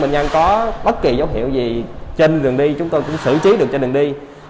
bệnh nhân có bất kỳ dấu hiệu gì trên đường đi chúng tôi cũng xử trí được cho đường đi